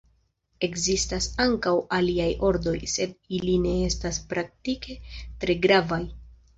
Ekzistas ankaŭ aliaj ordoj, sed ili ne estas praktike tre gravaj.